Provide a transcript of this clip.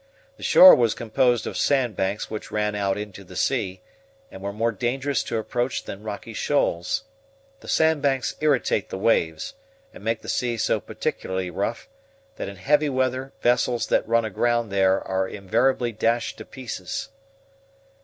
The shore was composed of sand banks which ran out into the sea, and were more dangerous to approach than rocky shoals. The sand banks irritate the waves, and make the sea so particularly rough, that in heavy weather vessels that run aground there are invariably dashed to pieces.